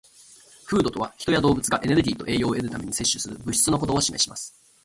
"Food" とは、人や動物がエネルギーと栄養を得るために摂取する物質のことを指します。